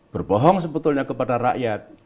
berbohong sebetulnya kepada rakyat